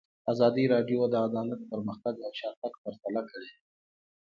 ازادي راډیو د عدالت پرمختګ او شاتګ پرتله کړی.